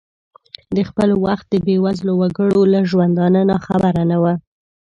د خپل وخت د بې وزلو وګړو له ژوندانه ناخبره نه ؤ.